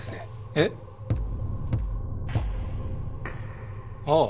えっ？ああ。